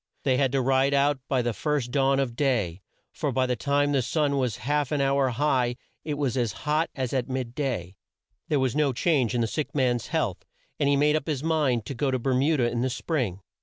They had to ride out by the first dawn of day, for by the time the sun was half an hour high it was as hot as at mid day. There was no change in the sick man's health, and he made up his mind to go to Ber mu da in the spring.